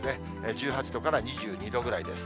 １８度から２２度ぐらいです。